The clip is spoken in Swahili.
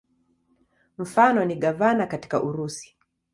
Mfano ni gavana katika Urusi.